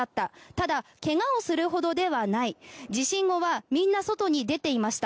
ただ怪我をするほどではない地震後はみんな外に出ていました